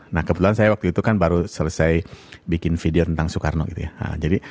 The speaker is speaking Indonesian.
nah kebetulan saya waktu itu kan baru selesai bikin video tentang soekarno gitu ya